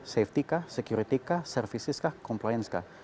safety kah security kah services kah compliance kah